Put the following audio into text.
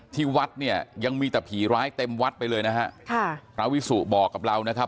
ที่วัดเนี่ยยังมีแต่ผีร้ายเต็มวัดไปเลยนะฮะค่ะพระวิสุบอกกับเรานะครับ